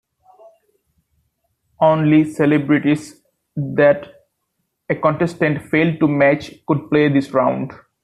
Only celebrities that a contestant failed to match could play this round.